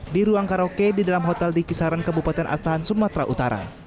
di ruang karaoke di dalam hotel di kisaran kabupaten asahan sumatera utara